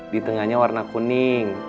di tengahnya warna kuning